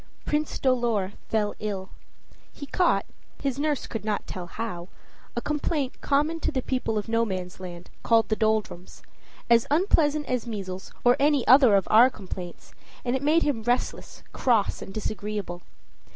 Prince Dolor fell ill. He caught his nurse could not tell how a complaint common to the people of Nomansland, called the doldrums, as unpleasant as measles or any other of our complaints; and it made him restless, cross, and disagreeable.